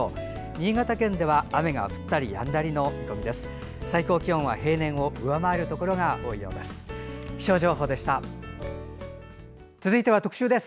新潟県では雨が降ったりやんだりの見込みです。